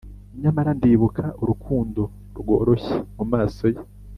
nyamara ndibuka urukundo rworoshye mumaso ye